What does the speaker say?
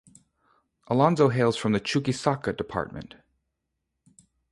Alonzo hails from the Chuquisaca Department.